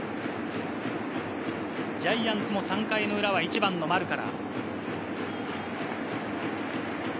ジャイアンツも３回の裏は１番の丸から。